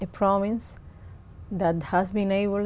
trong hai hướng